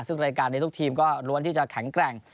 ซึ่งรายการนี้ทุกทีมก็ล้วนที่จะแข็งแกร่ง